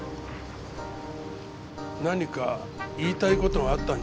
何か言いたい事があったんじゃありませんか？